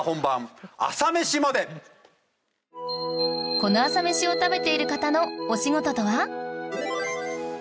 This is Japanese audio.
この朝メシを食べている方のお仕事とは？